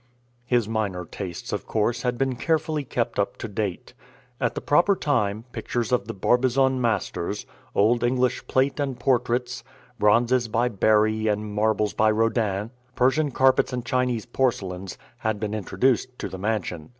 His minor tastes, of course, had been carefully kept up to date. At the proper time, pictures of the Barbizon masters, old English plate and portraits, bronzes by Barye and marbles by Rodin, Persian carpets and Chinese porcelains, had been introduced to the mansion.